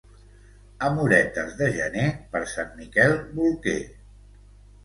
Amoretes de gener, per Sant Miquel bolquer.